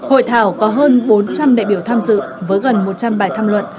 hội thảo có hơn bốn trăm linh đại biểu tham dự với gần một trăm linh bài tham luận